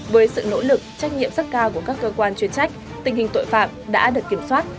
với sự nỗ lực trách nhiệm rất cao của các cơ quan chuyên trách tình hình tội phạm đã được kiểm soát